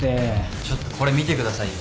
ちょっとこれ見てくださいよ。